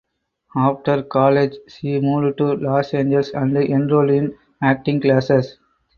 After college she moved to Los Angeles and enrolled in acting classes.